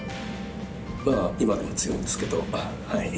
まあ今でも強いですけど。